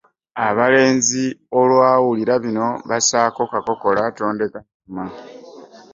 Abalenzi olwawulira bino bassaako kakokola tondeka nnyuma.